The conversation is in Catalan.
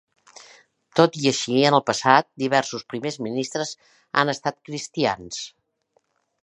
Tot i així, en el passat, diversos primers ministres han estat cristians.